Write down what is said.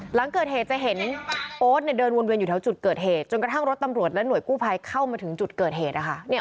หลังเกิดเหตุจะเห็นโอ๊ตเนี่ยเดินวนเวียนอยู่แถวจุดเกิดเหตุจนกระทั่งรถตำรวจและหน่วยกู้ภัยเข้ามาถึงจุดเกิดเหตุนะคะ